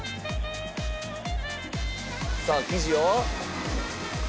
さあ生地を。